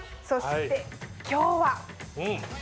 そして今日は。